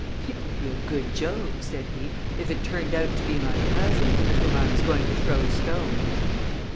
"It would be a good joke," said he, "if it turned out to be my cousin, at whom I was going to throw stones."